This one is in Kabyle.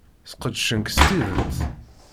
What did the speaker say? Sqedcen-k s tidet.